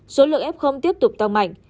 số lượng ép không tiếp tục tăng mạnh